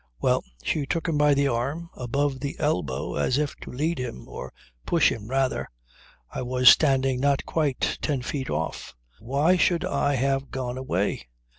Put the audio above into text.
Well, she took him by the arm, above the elbow, as if to lead him, or push him rather. I was standing not quite ten feet off. Why should I have gone away?